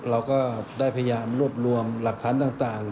เราก็ได้พยายามรวบรวมหลักฐานต่าง